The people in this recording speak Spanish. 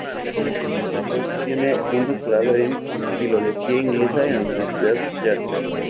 Franco tiene un doctorado en filología inglesa en la Universidad Yale.